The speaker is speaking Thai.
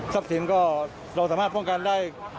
สินก็เราสามารถป้องกันได้